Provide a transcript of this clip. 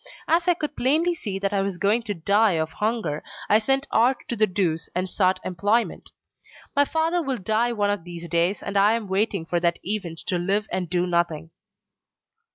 As I could plainly see that I was going to die of hunger, I sent art to the deuce and sought employment. My father will die one of these days, and I am waiting for that event to live and do nothing."